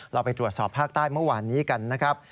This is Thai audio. เราไปตรวจสอบภาคใต้เมื่อวานนี้กันนะครับ